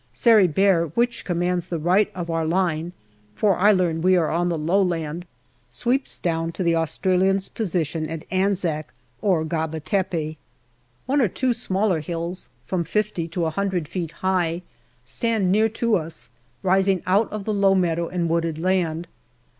Sari Bair, which commands the right of our line for I learn we are on the low land sweeps down to the Australians' position at Anzac or Gaba Tepe. AUGUST 203 One or two smaller hills, from fifty to a hundred feet high, stand near to us, rising out of the low meadow and wooded land.